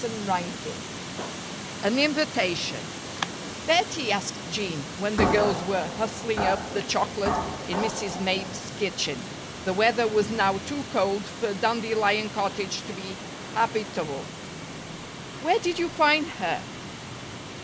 CHAPTER XVII An Invitation "BETTIE," asked Jean, when the girls were "hustling up" the chocolate in Mrs. Mapes' kitchen (the weather was now too cold for Dandelion Cottage to be habitable), "where did you find her?"